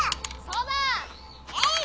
そうだ！えい！